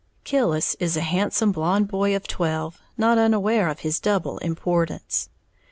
Killis is a handsome blonde boy of twelve, not unaware of his double importance.